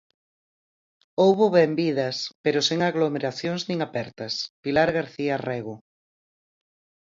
Houbo benvidas, pero sen aglomeracións nin apertas Pilar García Rego.